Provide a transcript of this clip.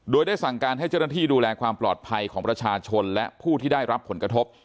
โดยได้สั่งการให้เจ้าหน้าที่ดูแลความปลอดภัยของประชาชนและผู้ที่ได้รับผลกระทบ